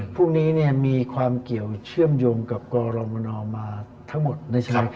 พวกนี้มีความเกี่ยวเชื่อมโยงกับกรมนมาทั้งหมดด้วยใช่ไหม